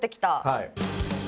はい。